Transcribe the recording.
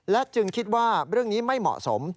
จึงคิดว่าเรื่องนี้ไม่เหมาะสม